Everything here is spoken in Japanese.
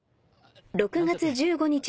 ６月１５日